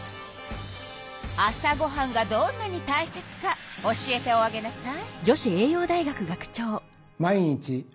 朝ごはんがどんなにたいせつか教えておあげなさい。